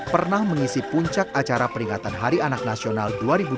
pernah mengisi puncak acara peringatan hari anak nasional dua ribu dua puluh